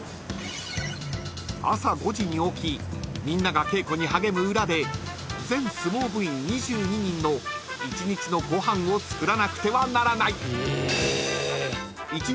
［朝５時に起きみんなが稽古に励む裏で全相撲部員２２人の１日のご飯を作らなくてはならない］